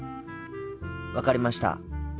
分かりました。